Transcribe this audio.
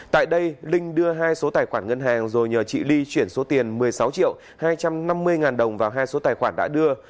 tại đây linh đưa hai số tài khoản ngân hàng rồi nhờ chị ly chuyển số tiền một mươi sáu triệu hai trăm năm mươi ngàn đồng vào hai số tài khoản đã đưa